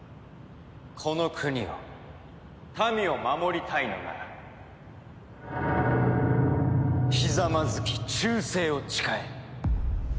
この国を民を守りたいのならひざまずき忠誠を誓え。